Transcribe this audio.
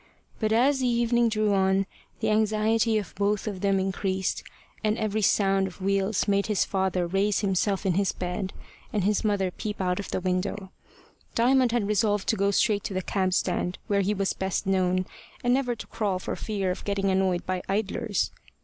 But as the evening drew on, the anxiety of both of them increased, and every sound of wheels made his father raise himself in his bed, and his mother peep out of the window. Diamond had resolved to go straight to the cab stand where he was best known, and never to crawl for fear of getting annoyed by idlers.